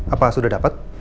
apa sudah dapat